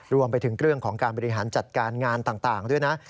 รวมไปถึงเรื่องของการบริหารจัดการงานต่างด้วยนะ